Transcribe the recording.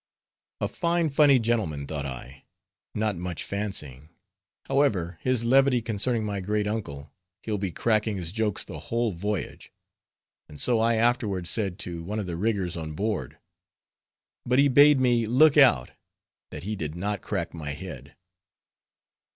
A fine funny gentleman, thought I, not much fancying, however, his levity concerning my great uncle, he'll be cracking his jokes the whole voyage; and so I afterward said to one of the riggers on board; but he bade me look out, that he did not crack my head.